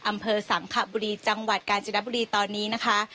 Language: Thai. อำเภอสังขบุรีจังหวัดกาญจนบุรีตอนนี้นะคะ